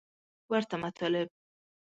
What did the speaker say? ورته مطالب